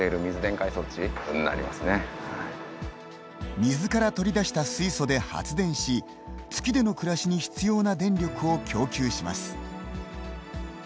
水から取り出した水素で発電し月での暮らしに必要な電力を供給します。